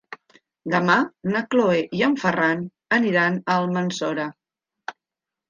Demà na Cloè i en Ferran aniran a Almassora.